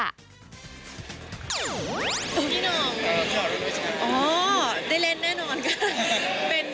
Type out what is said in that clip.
ตรงที่น้องอ๋อได้เล่นแน่นอนกัน